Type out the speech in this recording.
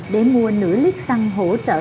để mua nửa lít xăng hỗ trợ